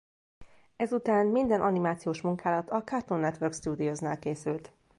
Ezután minden animációs munkálat a Cartoon Network Studiosnál készült.